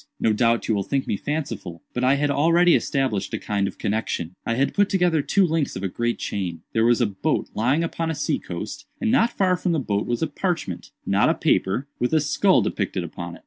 "No doubt you will think me fanciful—but I had already established a kind of connexion. I had put together two links of a great chain. There was a boat lying upon a sea coast, and not far from the boat was a parchment—not a paper—with a skull depicted upon it.